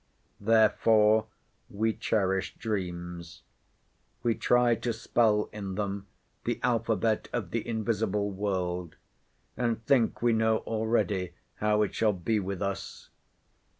Therefore, we cherish dreams. We try to spell in them the alphabet of the invisible world; and think we know already, how it shall be with us.